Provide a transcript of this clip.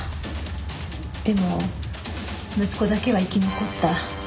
でも息子だけは生き残った。